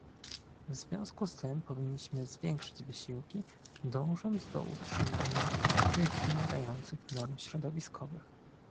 W związku z tym powinniśmy zwiększyć wysiłki, dążąc do utrzymania tych wymagających norm środowiskowych